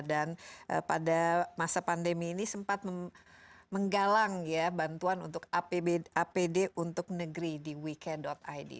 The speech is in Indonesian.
pada masa pandemi ini sempat menggalang ya bantuan untuk apd untuk negeri di wike id